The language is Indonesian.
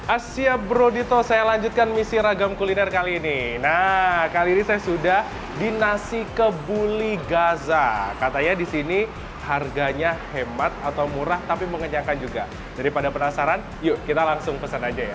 asia brodito saya lanjutkan misi ragam kuliner kali ini nah kali ini saya sudah di nasi kebuli gaza katanya disini harganya hemat atau murah tapi mengenyangkan juga daripada penasaran yuk kita langsung pesan aja ya